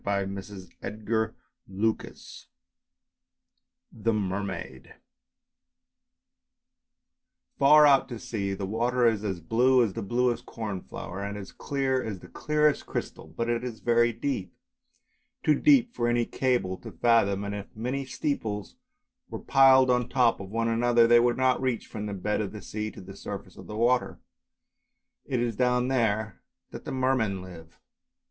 ,, 383 vii EE MASTED :,SHIP:<fc* eRcmiD •tr'KA FAR out at sea the water is as blue as the bluest cornflower, and as clear as the clearest crystal; but it is very deep, too deep for any cable to fathom, and if many steeples were piled on the top of one another they would not reach from the bed of the sea to the surface of the water. It is down there that the Mermen live.